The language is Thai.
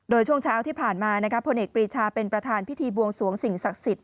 โดยช่วงเช้าที่ผ่านมาพลเอกปรีชาเป็นประธานพิธีบวงสวงสิ่งศักดิ์สิทธิ